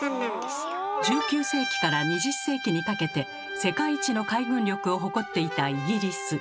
１９世紀から２０世紀にかけて世界一の海軍力を誇っていたイギリス。